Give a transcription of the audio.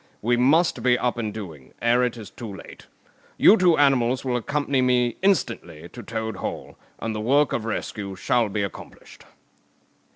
We must be up and doing, ere it is too late. You two animals will accompany me instantly to Toad Hall, and the work of rescue shall be accomplished."